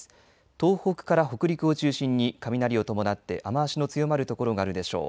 東北から北陸を中心に雷を伴って雨足の強まる所があるでしょう。